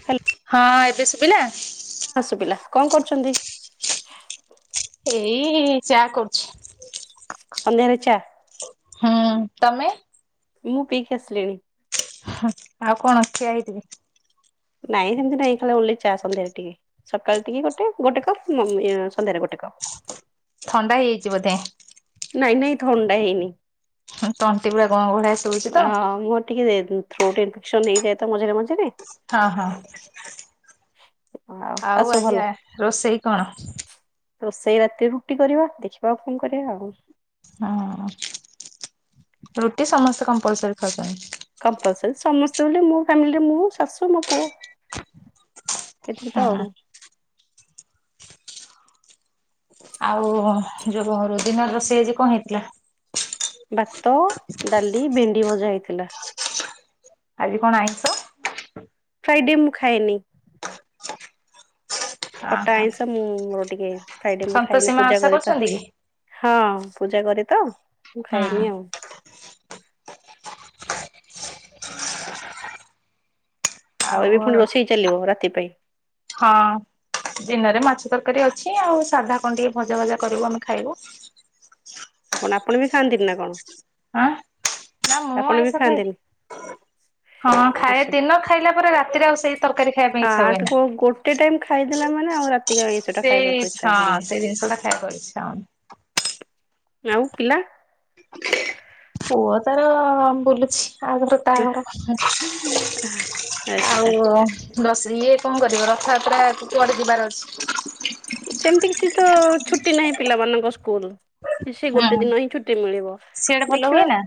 Hello ହଁ ଏବେ ଶୁଭିଲା ହଁ ସୁବିଲା କଣ କରୁଛନ୍ତି ଏଇ ହେ ଚା କରୁଛି ସନ୍ଧ୍ୟାରେ ଚା ହୁଁ ତମେ ମୁଁ ପିଇକି ଆସିଲିଣି ଆଉ କଣ ଠିଆ ହେଇଥିବି ନାଇଁ ସେମିତି ନାଇଁ ଖାଲେ ଓନଲିଚା ସନ୍ଧ୍ୟାରେ ଟିକେ ସକାଳ ଟିକେ ଗୋଟେ ଗୋଟେ କପ୍ ମ ସନ୍ଧ୍ୟାରେ ଗୋଟେ କପ୍ ଥଣ୍ଡା ହେଇଯାଇଛି ବୋଧେ ନାଇଁ, ନାଇଁ, ଥଣ୍ଡା ହେଇନି। ତଣ୍ଟି ପୁଡା ଗଣ ଭଳିଆ ସୁଭୁଛି ତ। ହଁ ମୋର ଟିକେ ଥ୍ରୋଟ୍ ଇନଫେକ୍ସନ ହେଇଯାଏ ତ ମଝିରେ ମଝିରେ। ହଁ ହଁ ଆଉ ଆଜି ରୋଷେଇ କଣ? ରୋଷେଇ ରାତିରେ ରୁଟି କରିବା ଦେଖିବା ଆଉ କଣ କରିବା ଆଉ। ହଁ ରୁଟି ସମସ୍ତେ କମ୍ପଲସରୀ ଖାଉଛନ୍ତି। କମ୍ପାରୀ ସମସ୍ତେ ବ ମୋ ଫ୍ୟାମିଲିରେ ମୁଁ ଶାଶୁ ମୋ ପୁଅ। ସେଠି ତ ହଁ। ଆଉ। ଆଉ ଯୋଉ ଘରୁ ଦିନ ରୋ ସେଇଜି କଣ ହେଇଥିଲା। ଭାତ ଡାଲି ଭେଣ୍ଡି ଭଜା ହେଇଥିଲା। ଆଜି କଣ ଆଇଁଷ। ଫ୍ରାଇଡେ ମୁଁ ଖାଏନି। ଖଟା ଓହୋ ଆଇଷ ମୁଁ ଟିକେ ଫ୍ରାଇଡେ ମୁଁ ସନ୍ତୋଷୀ ଖାଇନି ମା ପୂଜା ଓଷା କରେତ। କରୁଛନ୍ତି କି? ହଁ ପୂଜା କରେ ତ ମୁଁ ହୁଁ ଖାଇନି ଆଉ। ଆଉ ଏବେ ପୁଣି ରୋଷେଇ ଚାଲିବ ରାତି ପାଇଁ। ହଁ। ଦିନରେ ମାଛ ତରକାରୀ ଅଛି ଆଉ ସାଧା କଣ୍ ଟିକେ ଭଜା ଭଜା କରିବୁ ଆମେ ଖାଇବୁ। କଣ ଆପଣ ବି ଖାଆନ୍ତିନି ନା କଣ? ଆଁ ନା ମୁଁ ଆପଣ ବି ଆଇଁଷ ଖାଆନ୍ତିନି ଖାଏ। ହଁ ଖାଏ ଆଚ୍ଛା ଦିନ ଖାଇଲା ପରେ ରାତିରେ ଆଉ ସେଇ ତରକାରୀ ଖାଇବା ପାଇଁ ହଁ ଇଚ୍ଛା ଆଠ ହୁଏ ନି। ଗୋ ଗୋଟେ ଟାଇମ ଖାଇଦେଲା ମାନେ ଆଉ ରାତି କାଇଁ ସେଟା ସେଇ ଖାଇବାକୁ ଇଚ୍ଛା ହଁ ହବନି ସେଇ ଜିନିଷ ଟା ଖାଇବାକୁ ଆଉ ଇଚ୍ଛା ହୁଏନି। ଆଉ ପିଲା? ପୁଅ ତାର ବୁଲୁଛି ଆ ଘର ତା ଘର ଆଚ୍ଛା ଆଉ ବସ ଇଏ କଣ କରିବ ରଥଯାତ୍ରା କୁ କୁଆଡେ ଯିବାର ଅଛି। ସେମିତି କିଛି ତ ଛୁଟି ନାହିଁ ପିଲାମାନଙ୍କ ସ୍କୁଲ। ସେ ଗୋଟେ ହୁଁ ଦିନ ହିଁ ଛୁଟି ମିଳିବ ସିଆଡେ ଭଲ ହୁଏ ଦେଖିବା। ନା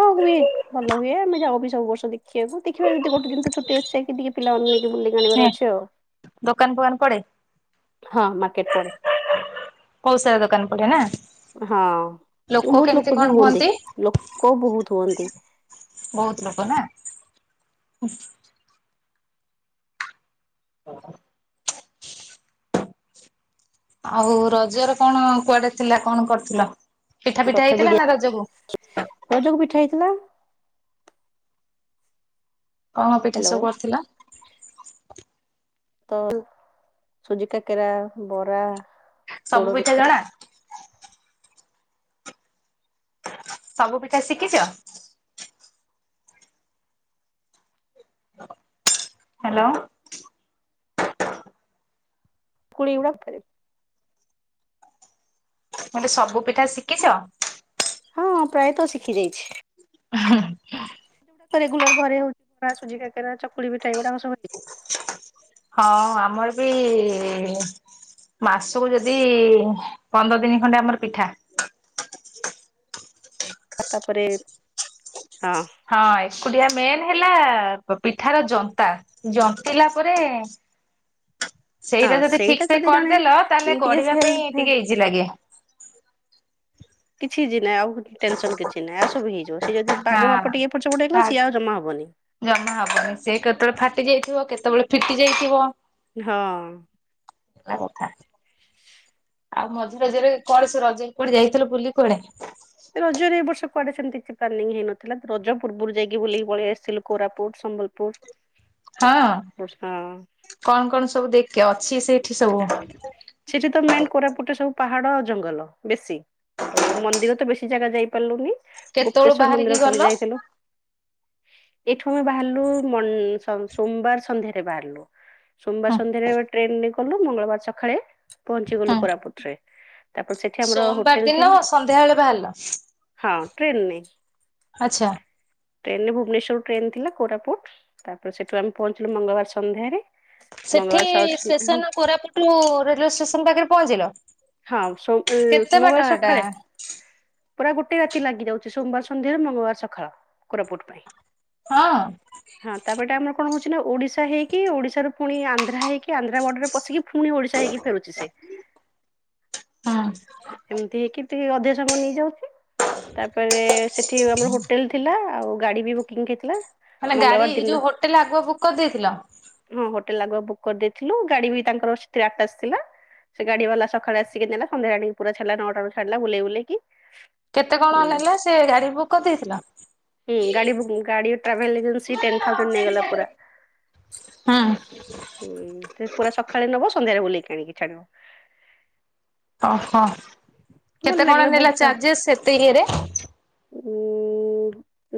ହଁ ହୁଏ ଭଲ ହୁଏ ଆମେ ଯାଉ ବି ସବୁ ବର୍ଷ ଦେଖିବାକୁ ଦେଖିବା ଯଦି ଗୋଟେ ଦିନ ତ ଛୁଟି ଅଛି ଯାଇକି ଟିକେ ପିଲାମାନଙ୍କୁ ନେଇକି ବୁଲେଇକି ଆଣିବାର ଅଛି ଆଉ। ଦୋକାନ ଫୋକାନ ପଡେ? ହଁ ମାର୍କେଟ ପଡେ। ପଉସାରା ଦୋକାନ ପଡେ ନା? ହଁ ବହୁତ୍ ଲୋକ ବି ହୁଅନ୍ତି ଲୋକ ବହୁତ୍ ହୁଅନ୍ତି। ବହୁତ୍ ଲୋକ ନା ଉଁ। [unintelligible] ଆଉ ରଜରେ କଣ କୁଆଡେ ଥିଲା କଣ କରୁଥିଲ ପିଠା ଫିଟା ରଥ ହେଇଥିଲା ଭିଡିଆ ନା ରଜକୁ? ରଜକୁ ପିଠା ହେଇଥିଲା। କଣ ପିଠା ହ୍ୟାଲୋ ସବୁ କରିଥିଲା? [inaudible] ତ ସୁଜି କାକେରା ବରା ସବୁ ପିଠା ଜଣା? ସବୁ ପିଠା ଶିକିଛ? ହ୍ୟାଲୋ। କୁଡି ଉଡା କେରେ। ମୁଁ କଲି ସବୁ ପିଠା ଶିକିଛ? ହଁ ପ୍ରାୟେତଃ ଶିଖି ଯାଇଛି। ହୁଁ ହୁଁ ହୁଁ। ରେଗୁଲାର୍ ଘରେ ହଉଥିବା ସୁଜି କାକେରା ଚକୁଳି ପିଠା ଏଗୁଡାକ ସବୁ ହେଇଛି। ହଁ ଆମର ବି ମାସକୁ ଯଦି ପନ୍ଦର ଦିନି ଖଣ୍ଡେ ଆମର ପିଠା। ଆଉ ତାପରେ ହଁ। ହଁ ଏକୁଟିଆ ମେନ୍ ହେଲା ପ ପିଠାର ଜନ୍ତା। ଜନ୍ତିଲା ପରେ ହଁ ସେଇଟା ଯଦି ଠିକ୍ ସେ ଯଦି ଜଣେ କରିଦେଲ ତାହେଲେ ଟିକେ ଗଢିବା ପାଇଁ ହେଲ୍ପ ଟିକେ ଇଜି ଲାଗେ। କିଛି ଇଜି ନାହିଁ ଆଉ ଟେନସନ କିଛି ନାହିଁ ଆଉ ସବୁ ହେଇଯିବ ସେ ଟିକେ ଯଦି ପାଗ ହଁ। ମାପ ଟିକେ ଏପଟ ସେପଟ ହେଇଗଲା ଭାଗ ସିଏ ଆଉ ଜମା ହେବନି। ଜମା ହବନି ସେ କେତେବେଳେ ଫାଟି ଯାଇଥିବ କେତେବେଳେ ଫିଟି ଯାଇଥିବ। ହଁ। ହେଲା କଥା। ଆଉ ମଝି ରଜରେ କୁଆଡେ ସେ ରଜ କୁଆଡ଼େ ଯାଇଥିଲ ବୁଲି କୁଆଡେ? ରଜରେ ଏ ବର୍ଷ କୁଆଡେ ସେମତି କିଛି ପ୍ଲାନିଂ ହେଇନଥିଲା ରଜ ପୂର୍ବରୁ ଯାଇକି ବୁଲିକ ପଳେଇ ଆସିଲୁ କୋରାପୁଟ ସମ୍ବଲପୁର। ହଁ କଣ କଣ ସବୁ ଦେଖେ ଅଛି ସେଇଠି ସବୁ? ସେଠି ତ ମେନ କୋରାପୁଟରେ ସବୁ ପାହାଡ ଜଙ୍ଗଲ ବେଶୀ। ହଉ ମନ୍ଦିର ତ ବେଶୀ ଜାଗା ଯାଇପାରିଲୁନି କେତେବେଳୁ ଗୁପ୍ତେଶ୍ଵର ବାହାରିକି ମନ୍ଦିର ଖାଲି ଗଲ? ଯାଇଥିଲୁ। ଏଇଠୁ ଆମେ ବାହାରିଲୁ ମନ ସୋମବାର ସନ୍ଧ୍ୟାରେ ବାହାରିଲୁ। ସୋମବାର ସନ୍ଧ୍ୟାରେ ଟ୍ରେନ ରେ ଗଲୁ ମଙ୍ଗଳବାର ସକାଳେ ପହଞ୍ଚି ଗଲୁ କୋରାପୁଟ ରେ। ତାପରେ ସେଠି ଆମର ସୋମବାର ହୋଟେଲ ଦିନ ଥିଲା ସନ୍ଧ୍ୟାବେଳେ ବାହାରିଲ। ହଁ ଟ୍ରେନ ରେ। ଆଚ୍ଛା। ଟ୍ରେନରେ ଭୁବନେଶ୍ୱଵର ଟ୍ରେନ ଥିଲା କୋରାପୁଟ ତାପରେ ସେଠୁ ଆମେ ପହଞ୍ଚିଲୁ ମଙ୍ଗଳବାର ସନ୍ଧ୍ୟାରେ ସେଠି ମଙ୍ଗଳବାର ସସ ଷ୍ଟେସନ କୋରାପୁଟୁ ରେଲୱେ ଷ୍ଟେସନ ପାଖରେ ପହଞ୍ଚିଲ। ହଁ ସଉ କେତେ ବାଟ ନୂଆଁ ହେଟା? ସକାଳେ ପୁରା ଗୋଟେ ରାତି ଲାଗି ଯାଉଛି ସୋମବାର ସନ୍ଧ୍ୟାରୁ ମଙ୍ଗଳବାର ସଖାଳ କୋରାପୁଟ ପାଇଁ। ହଁ। ହଁ ତାପଟେ ଆମର କଣ ହଉଛି ନା ଓଡିଶା ହେଇକି ଓଡିଶାରୁ ପୁଣି ଆନ୍ଧ୍ରା ହେଇକି। କି ଆନ୍ଧ୍ର ବର୍ଡରରେ ପଶିକି ପୁଣି ଓଡିଶା ହେଇିକି ଫେରୁଛି ସେ। ହଁ। ଏମିତି ହେଇକି ଟେ ଅଧେ ସମୟ ନେଇ ଯାଉଛି ତାପରେ ସେଠି ଆମର ହୋଟେଲ ଥିଲା ଆଉ ଗାଡି ବି କି କିଥିଲା। ମାନେ ଗାଡି ଯୋଉ ହୋଟେଲ ଆଗୁଆ ବୁକ୍ କରିଦେଇଥିଲ? ହଁ ହୋଟେଲ ଆଗୁ ବୁକ୍ କରିଦେଇଥିଲୁ ଗାଡି ବି ତାଙ୍କର ସେଥିରେ ଆଠ ଆସିଥିଲା ସେ ଗାଡି ବାଲା ସକାଳେ ଆ ସିକେ ନେଲା ସନ୍ଧ୍ୟା ଟ ପୁରାଛାଡିଲା ନଅଟା ରେ ଛାଡିଲା ବୁଲେଇ ବୁଲେଇି କି। କେତେ କଣ ନେଲା ସେ ଗାଡି ବୁକ୍ କରିଦେଇଥିଲା? ହୁଁ ଗାଡ଼ି ଗାଡି ଟ୍ରାଭେଲ ଏଜେନ୍ ଟେନ ଥାଉଜଣ୍ଡ ନେଇଗଲା ପୁରା। ହଁ। ହୁଁ ପୁରା ସକାଳେ ନେବ ସନ୍ଧ୍ୟାରେ ବୁଲେଇକି ଆଣିକି ଛାଡିବ। ଓହୋ ଭଲ କେତେ କଣ ଲାଗିଲା ନେଲା ବହୁତ ଚାର୍ଜେସ୍ ସେତେ ଇଏରେ? ଉ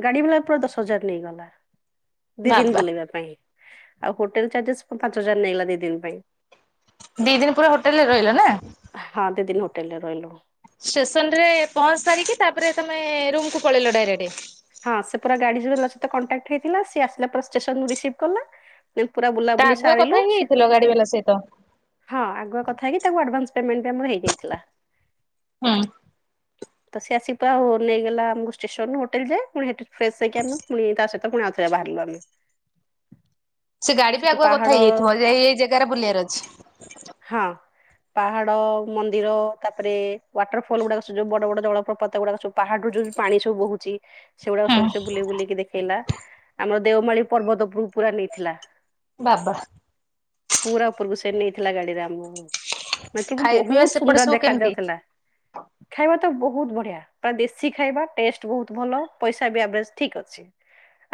ଗାଡି ଭଲା ପୁରା ଦଶ ହଜାର ନେଇଗଲା। ଦି ଦିନ ବାବା। ବୁଲେଇବା ପାଇଁ ଆଉ ହୋଟେଲ ଚାର୍ଜେସ ପାଞ୍ଚ ହଜାର ନେଇ ଗଲା ଦି ଦିନ ପାଇଁ। ଦି ଦିନ ପୁରା ହୋଟେଲରେ ରହିଲ ନା? ହଁ ଦିଦିନ ହୋଟେଲରେ ରହିଲୁ। ଷ୍ଟେସନ ରେ ପହଞ୍ଚି ସାରିକି ତାପରେ ତମେ ରୁମକୁୁ ପଳେଇଲ ଡାଇରେକ୍ଟ। ହଁ ସେ ପୁର ଗାଡି ଯ ସହିତ କଣ୍ଟାକ୍ଟ ହେଇଥିଲା ସି ଆସିଲା ପ ପରେ ଷ୍ଟେସନ ରିସିଭ୍ କଲା। ପୁରା ବୁଲା ତା ବୁଲି ଆଗୁଆ କଥା ସାରିଲୁ ସେ ହେଇଯାଇଥିଲ ଗାଡି ବାଲା ସହିତ? ହଁ ଆଗୁଆ କଥା ହେଇକି ତାଙ୍କୁ ଆଡଭାନ୍ସ ପେମେଣ୍ଟ ବି ଆମର ହେଇଯାଇଥିଲା। ହୁଁ। ତ ସେ ଆସିପା ଉ ନେଇଗଲା ଆମକୁ ଷ୍ଟେସନରୁ ହୋଟେଲ ଯାଏ ପୁଣିହେଠୁ ଫ୍ରେଶ ହେଇକି ଆମେ ପୁଣି ତା ସହିତ ପୁଣି ଆଉଥରେ ବାହାରିଲୁ ଆମେ ସେ ଗାଡି ବି ସେଠି ଆଗୁଆ କଥା ପାହାଡ ହେଇଯାଇଥିବ ଯେ ଏଇ -ଏଇ ଜାଗାରେ ବୁଲିବାର ଅଛି। ହଁ। ପାହାଡ, ମନ୍ଦିର ତାପରେ ୱାଟର୍ ଫଲ୍ ଗୁଡାକ ସେ ସବୁ ବଡ ବଡ ଜଳପ୍ରପାତ ଗୁଡାକ ସବୁ ପାହାଡ୍ ରୁ ଯଉ ପାଣି ସବୁ ବୋହୁଚି ସେଗୁଡାକ ସବୁ ସେ ହୁଁ ବୁଲ ବୁଲିକି ଦେଖେଇଲା ଆମର ଦେଓମାଳି ପର୍ବତ ଉପୁରୁକୁ ପୁରା ନେଇଥିଲା। ବାବା। ପୁରା ଉପରୁକୁ ସେ ନେଇଥିଲା ଗାଡିରେ ଆମକୁ। ସେଠି କିନ୍ତୁ ଖାଇବା ପିଇବା ବହୁତ୍ ସେପଟେ ସୁନ୍ଦର୍ ସବୁ ଦେଖା କେମିତି? ଯାଉଥିଲା। ଖାଇବା ତ ବହୁତ୍ ବଢିଆ ପୁରା ଦେଶୀ ଖାଇବା ଟେଷ୍ଟ୍ ବହୁତ୍ ଭଲ। ପଇସା ବି ଆଭ୍ରେଜ୍ ଠିକ୍ ଅଛି।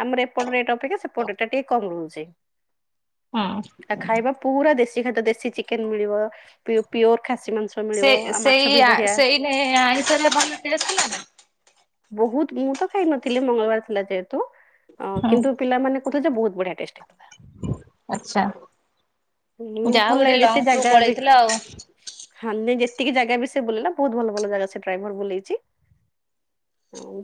ଆମର ଏପଟ ରେଟ୍ ଅପେକ୍ଷା ସେପଟ ରେଟ୍ ଟା ଟିକେ କମ୍ ରହୁଚି। ହଁ। ପୁରା ଦେଶୀ ଖାଦ୍ୟ ଦେଶୀ ଚିକେନ୍ ମିଳିବ ପି- ପିଓର୍ ଖାସି ମାଂସ ମିଳିବ ସେ ଆଉ ମାଛ ସେଇ ବି ଆ ବଢିଆ ସେଇ ନି ଆଇଁଷରେ ଭଲ‌ ଟେଷ୍ଟ୍ ଥିଲା ତ? ବହୁତ୍ ମୁଁ ତ ଖାଇ ନଥିଲି ମଙ୍ଗଳବାର ଥିଲା ଯେହେତୁ ଅ ହୁଁ କିନ୍ତୁ ପିଲାମାନେ କହୁଥିଲେ ଯେ ବହୁତ୍ ବଢିଆ ଟେଷ୍ଟ୍ ହେଇଥିଲା। ଆଛା ଯା ଭଲ ହଉ ଗୋଟେ ଲାଗେ ଯେତେ ଲଙ୍ଗ୍ ଟୁର୍ ଜାଗା ବି ପଳେଇଥିଲେ ଆଉ। ହଁ ନାଇ ଯେତିକି ଜାଗା ବି ସେ ବୁଲେଇଲା ବହୁତ୍ ଭଲ ଭଲ ଜାଗା ସେ ଡ୍ରାଇଭର୍ ବୁଲେଇଚି।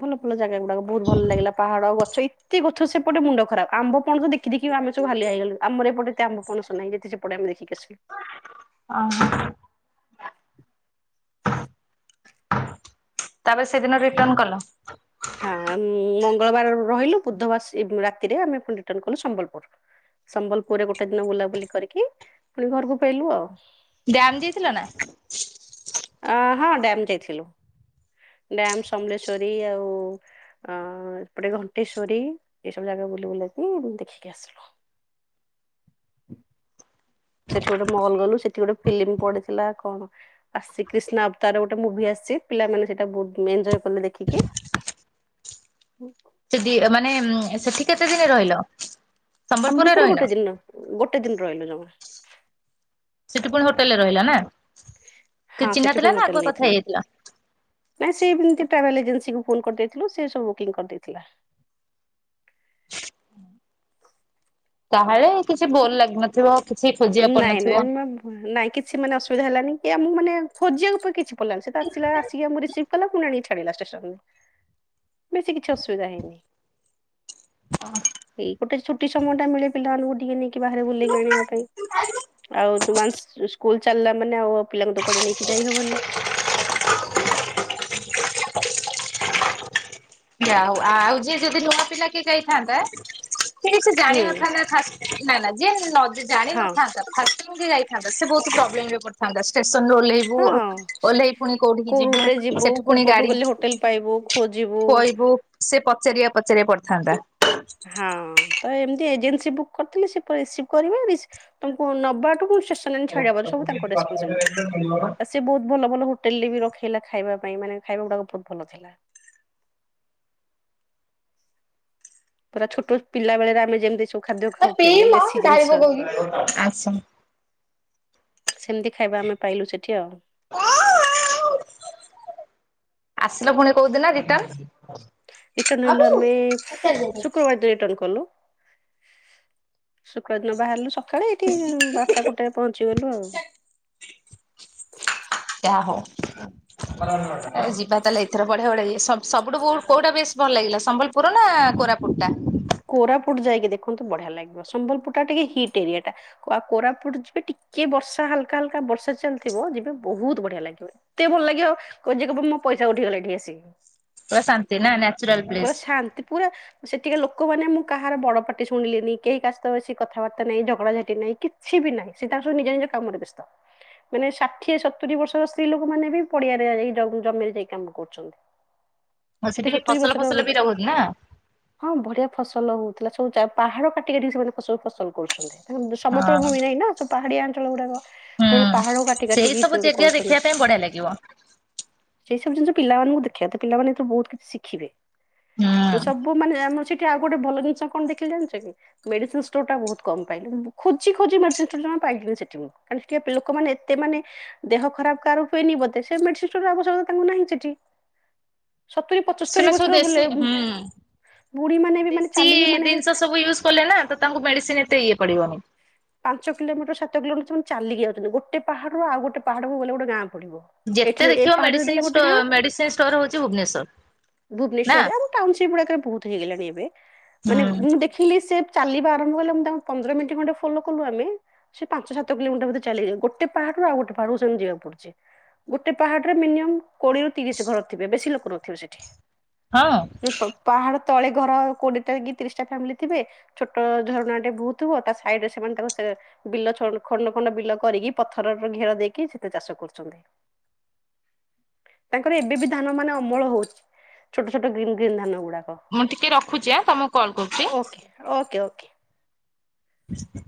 ଭଲ ଭଲ ଜାଗା ଗୁଡାକ ବହୁତ ଭଲ ଲାଗିଲା ପାହାଡ, ଗଛ ଏତେ ଗଛ ସେପଟେ ମୁଣ୍ଡ ଖରାପ, ଆମ୍ବ ପଣସ ଦେଖ୍ ଦେଖି ଦେଖି ଆମେ ସବୁ ହାଲିଆ ହେଇଗଲୁ ଆମର ଏପଟେ ଏତେ ଆମ ପଣସ ନାହିଁ ଯେତେ ସେପଟେ ଆମେ ଦେଖିଚୁ। [unintelligible] ତାପରେ ସେଦିନ ରିଟନ୍ କଲ? ହଁ ମଙ୍ଗଳବାର ରହିଲୁ ବୁଧବାର ଆସି ରାତିରେ ଆମେ ପୁଣି ରିଟନ୍ କଲୁ ସମ୍ବଲପୁର୍। ସମ୍ବଲପୁରରେ ଗୋଟେ ଦିନ ବୁଲାବୁଲି କରିକି ପୁଣି ଘରକୁ ଫେଇଲୁ ଆଉ। ଡ୍ୟାମ୍ ଯାଇଥିଲ ନା? ଆ ହଁ ଡ୍ୟାମ୍ ଯାଇଥିଲୁ। ଡ୍ୟାମ୍, ସମଲେଶ୍ଵରୀ ଆଉ ଆ ଏପଟେ ଘଣ୍ଟେଶ୍ଵରୀ ଏସବୁ ଜାଗା ବୁଲି ବୁଲାକି ଦେଖିକି ଆସିଲୁ। ସେଠି ଗୋଟେ ମଲ୍ ଗଲୁ ସେଠି ଗୋଟେ ଫିଲ୍ମ ପଡିଥିଲା କଣ ଆସି କ୍ରିଷ୍ଣା ଅବତାର୍ ର ଗୋଟେ ମୁଭି ଆସିଚି ପିଲାମାନେ ସେଇଟା ବହୁତ୍ ଏଞୟ କଲେ ଦେଖିକି। ସେଦି ମାନେ ସେଠି କେତେ ଦିନି ରହିଲ? ସମ୍ବଲପୁରରେ ସମ୍ବଲପୁର୍ ରେ ରହିଲ? ଗୋଟେ ଦିନ ଗୋଟେ ଦିନ ରହିଲୁ ଜମା। ସେଠି ପୁଣି ହୋଟେଲରେ ରହିଲ ନା ହଁ କିଏ ସେଠି ଚିହ୍ନା ପୁଣି ଥିଲା ନା ହୋଟେଲ ଆଗୁଆ କଥା ନେଇଥିଲୁ। ହେଇଯାଇଥିଲ? ନାଇଁ ସେ ଏମିତି ଟ୍ରାଭେଲ୍ ଏଜେନ୍ସିକୁ ଫୋନ୍ କରିଦେଇଥିଲୁ ସେ ସବୁ ବୁକିଂ କରିଦେଇଥିଲା। ତାହାଲେ କିଛି ବୋର୍ ଲାଗିିନଥିବ। ନାଇଁ ନାଇଁ ନାଇଁ କିଛି ମାନେ ଅସୁବିଧା ହେଲାନି, କି ମୁଁ ମାନେ ଖୋଜିବାକୁ କିଛି କଲା ସେ ତ ଆସିଲା ଆସିକି ଆମକୁ ରିସିଭ୍ କଲା, ପୁଣି ଆଣି ଛା ଛାଡିଲା ଷ୍ଟେସନ ବେଶୀ କିଛି ଅସୁବିଧା ହେଇନି। [inaudible] ଏଇ ଗୋଟେ ଛୁଟି ସମୟ ଟା ମିଳେ ପିଲାମାନଙ୍କୁ ଟିକେ ନେଇକି ବାହାରେ ବୁଲେଇକି ଆଣିବା ପାଇଁ। [inaudible] ଆଉ ଯଉ ୱାନ୍ସ ସ୍କୁଲ ଚାଲିଲା ମାନେ ଆଉ ପିଲାଙ୍କୁ ତ କୁଆଡେ ନେଇକି ଯାଇହବନି। ଯାହଉ ଆଉ ଯିଏ ଯଦି ନୂଆ ପିଲା କିଏ ଯାଇଥାନ୍ତା କି ସେ ହୁଁ। ଜାଣିନଥାନ୍ତା ଖାସ୍ ନା ନା ଯିଏ ନ ହଁ ଜାଣିିନଥାନ୍ତା ଫାଷ୍ଟ୍ କେମିତି ଯାଇଥାନ୍ତା ସେ ବହୁତ୍ ପ୍ରୋବ୍ଲେମ୍ ରେ ପଡ଼ିଥାନ୍ତା ଷ୍ଟେସନରେ ଓହ୍ଲେଇ ବୁ ହଁ ଓହ୍ଲେଇକି ପୁଣି କଉଠିକି ଯିବୁ ସେଠୁ ପୁଣି ଗାଡି ହୋଟେଲ୍ ପାଇବୁ ଖୋଜିବୁ କହିବୁ ସେ ପଚାରିବା ପଚାରିବା ପଡିିଥାନ୍ତା। ହଁ ତ ଏମିତି ଏଜେନ୍ସି ବୁକ୍ କରିଥିଲେ ସେ ପୁରା ରିସିଭ୍ କରିବେ ରିସି ତମକୁ ନବାଠୁ ପୁଣି ଷ୍ଟେସନ ରେ ଛାଡ଼ିବା ସବୁ ତାଙ୍କ ରେସ୍ପନ୍ସିବିଲିଟି। ସେ ବହୁତ ଭଲ ଭଲ ହୋଟେଲ ରେ ବି ରଖେଇଲା ଖାଇବା ପାଇଁ ମାନେ ଖାଇବା ଗୁଡାକ ବହୁତ ଭଲ ଥିଲା। ପୁରା ଛୋଟ ପିଲାବେଳେରେ ଆମେ ଯେମିତି ସବୁ ଖାଦ୍ୟ ଖାଉଥିଲେ ପିଇମ ଦେଶୀ ଜିନିଷ ଢାଳିପକଉଛି ଆସ। ସେମିତି ଖାଇବା ଆମେ ପାଇଲୁ ସେଠି ଆଉ ଆସିଲ ପୁଣି କୋଉଦିନ ରୀଟନ? ରିଟର୍ଣ ହେଲୁ ଆମେ ଶୁକ୍ରବାରଠୁ ରିଟର୍ଣ କଲୁ। ଶୁକ୍ରବାର ଦିନ ବାହାରିଲୁ ସକାଳେ ଏଇଠି ବାରଟା ଗୋଟେରେ ପହଞ୍ଚିଗଲୁ ଆଉ [inaudible] ଯାହା ହଉ। ଯିବା ତାହେଲେ ଏଥର ବଢ଼ିଆ ବଢ଼ିଆ ସବୁଠୁ କୋଉଟା ବେଶି ଭଲ ଲାଗିଲା ସମ୍ବଲପୁ ପୁର ନା କୋରାପୁଟଟା। କୋରାପୁଟ ଯାଇକି ଦେଖନ୍ତୁ ବଢିଆ ଲାଗିବ ସମ୍ବଲପୁରଟା ଟିକେ ହିଟ୍ ଏରିଆ ଟା। କୋରାପୁଟ ଯିବେ ଟିକେ ବର୍ଷା ହାଲକା ହାଲକା ବର୍ଷା ଚାଲିଥିବ ଯିବେ ବହୁତ ବଢିଆ ଲାଗିବ। ଏତେ ଭଲ ଲାଗିବ କହିବେ ଯେ ମୋ ପଇସା ଉଠିଗଲା ଏଠି ଆସିକି। ପୁରା ଶାନ୍ତି ନା ନ୍ୟାଚୁରାଲ ପ୍ଲେସ୍ ପୁରା ଶାନ୍ତ ପୁରା ସେଠିକା ଲୋକ ଲୋକମାନେ ମୁଁ କାହାର ବଡ଼ପଟି ଶୁଣିଲିନି କେହି କାହା ସହିତ ବେଶୀ କଥାବାର୍ତ୍ତା ନାହିଁ ଝଗଡ଼ାଝାଟି ନାହିଁ କି କିଛି ବି ନାହିଁ ସିଏ ତାଙ୍କର ସବୁ ନିଜ ନିଜ କାମରେ ବ୍ୟସ୍ତ। ମାନେ ଷାଠିଏ ସତୁୁରି ବର୍ଷର ସ୍ତ୍ରୀ ଲୋକ ମାନେ ବି ପଡିଆରେ ଜମିରେ ଯାଇ କାମ କରୁଛନ୍ତି। [inaudible] ଆଉ ସେଠି ସତୁରି ଫସଲ ବର୍ଷର ଫସଲ ବି ରହୁନି ନା? ହଁ ବଢିଆ ଫସଲ ହଉଥିଲା ସବୁ ପାହାଡ କାଟି କାଟିକା ସେମାନେ ଫସଲ କରୁଛନ୍ତି। ସମତଳ ହଁ। ଭୂମି ନାଇଁ ନା ପାହାଡିଆ ଅଞ୍ଚଳ ଗୁଡାକ। ହୁଁ ସେମାନେ ପାହାଡ କାଟି ସେଇ କାଟିକି ସବୁ ଜାଗା କରୁଛନ୍ତି। ଦେଖିବା ପାଇଁ ବଢିଆ ଲାଗିବ ସେଇ ସବୁ ଜିନିଷ ପିଲାମାନଙ୍କୁ ଦେଖିବା ତ ପିଲମାନେ ଏଥିରୁ ବହୁତ କିଛି ଶିଖିବେ। ହୁଁ। ସବୁ ମାନେ ଆମର ସେଠି ଆଉ ଗୋଟେ ଭଲ ଜିନିଷ କଣ ଦେଖିଲି ଜାଣିଛ କି? ମେଡ଼ିସିନ ଷ୍ଟୋରଟା ବହୁତ କମ୍ ପାଇଲି ମୁଁ ଖୋଜି ଖୋଜି ମେଡିସିନ ଷ୍ଟୋର ଜମା ପାଇଲିିନି ସେଠି ମୁଁ। ସେଠିକା ଲୋକମାନେ ଏତେ ମାନେ ଦେହ ଖରାପ କାର ହୁଏନି ବୋଧେ ସେ ମେଡିସିନ ଷ୍ଟୋର ଆବଶ୍ୟକତା ତାଙ୍କୁ ନାହିଁ ସେଠି। ସତୁରି ପଞ୍ଚସ୍ତରୀ ସେମାନେ ସବୁ ବର୍ଷର ଦେଶୀ ବୋଲେ ହୁଁ। ଦେଶୀ ମାନେ ଜିନିଷ ସବୁ ୟୁଜ କଲେ ନା ତ ତାଙ୍କୁ ମେଡିସିନ ଏତେ ଇଏ ପଡିବନି। ପାଞ୍ଚ କିଲୋମିଟର ସାତ କିଲମିଟର ସେମାନେ ଚାଲିକି ଯାଉଛନ୍ତି ଗୋଟେ ପାହାଡରୁ ଆଉ ଗୋଟେ ପାହାଡକୁ ଗଲେ ଗୋଟେ ଗାଁ ପଡିବ। ଏଠି ଯେତେ ଏ ଦେଖିବ ପାହାଡ ଦେଇ ମେଡିସିନ ଗୋଟେ ଷ୍ଟୋ ଗାଁ ମେଡିସିନ ଷ୍ଟୋର ହଉଛି ଭୁବନେଶ୍ୱର। ଭୁବନେଶ୍ଵରରେ ଆମ ଟାଉନସିପ ଗୁଡାକରେ ବହୁତ ହେଇଗଲାଣି ଏବେ ହୁଁ ମାନେ ମୁଁ ଦେଖିଲି ସେ ଚାଲିବା ଆରମ୍ଭ କଲେ ମୁ ତାଙ୍କୁ ପନ୍ଦର ମିନିଟ ଖଣ୍ଡେ ଫଲୋ କଲୁ ଆମେ ସେ ପାଞ୍ଚ ସାତ କିଲୋମିଟର ଭିତରେ ଚାଲିଯାଉ ଗୋଟେ ପାହାଡରୁ ଆଉ ଗୋଟେ ପାହାଡରୁ ସେମତି ଯିବାକୁ ପଡୁଛି। ଗୋଟେ ପାହାଡରେ ମିନିମମ୍ କୋଡିଏରୁ ତିରିଶ ଘର ଥିବେ ବେଶୀ ଲୋକ ନଥିବେ ସେଠି। ହଁ ପାହାଡ ତଳେ ଘର କୋଡିଏଟା କି ତିରିଶଟା ଫ୍ୟାମିଲି ଥିବେ ଛୋଟ ଝରଣାଟେ ବହୁଥିବ ତା ସାଇଡରେ ସେମାନେ ତାକୁ ସେ ବିଲ ଖଣ୍ଡ ଖଣ୍ଡ ବିଲ କରିକି ପଥରର ଘେର ଦେଇକି ସେଥୀରେ ଚାଷ କରୁଛନ୍ତି। ତାଙ୍କର ଏବେ ବି ଧାନ ମାନେ ଅମଳ ହଉଛି। ଛୋଟ ଛୋଟ ଗ୍ରୀନ୍ ଗ୍ରୀନ୍ ଧାନ ଗୁଡାକ। ହଁ, ମୁଁ ଟିକେ ରଖୁଛି ଆ ତମକୁ କଲ୍ କରୁଛି। Okay okay okay. [inaudible]